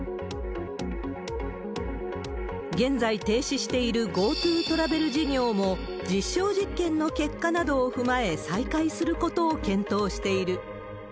現在停止しているＧｏＴｏトラベル事業も、実証実験の結果などを踏まえ、再開することを検討している。